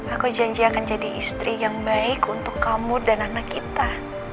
aku janji akan jadi istri yang baik untuk kamu dan anak kita